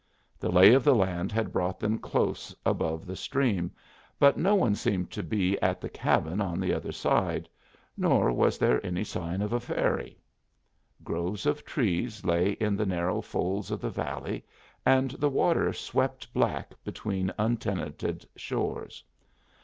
The lay of the land had brought them close above the stream, but no one seemed to be at the cabin on the other side, nor was there any sign of a ferry. Groves of trees lay in the narrow folds of the valley, and the water swept black between untenanted shores.